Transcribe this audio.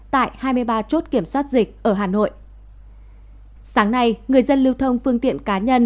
tại hai mươi ba chốt kiểm soát dịch ở hà nội sáng nay người dân lưu thông phương tiện cá nhân